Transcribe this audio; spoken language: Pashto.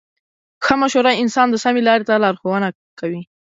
ښه مشوره انسان د سمې لارې ته لارښوونه کوي.